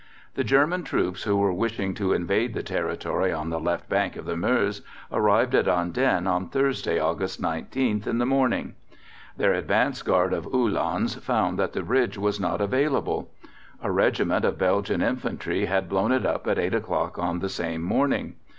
The German troops who were wishing to invade the territory on the left bank of the Meuse arrived at Andenne on Thursday, August 19th, in the morning. Their advance guard of Uhlans found that the bridge was not available. A regiment of Belgian Infantry had blown it up at 8 o'clock on the same morning.